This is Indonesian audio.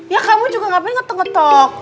ya kamu juga ngapain ngetok ngetok